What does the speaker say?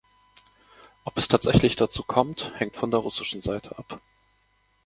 Ob es tatsächlich dazu kommt, hängt von der russischen Seite ab.